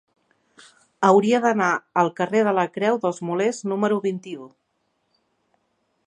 Hauria d'anar al carrer de la Creu dels Molers número vint-i-u.